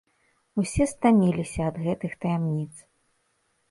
Усе стаміліся ад гэтых таямніц.